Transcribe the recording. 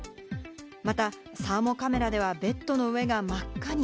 またサーモカメラではベッドの上が真っ赤に。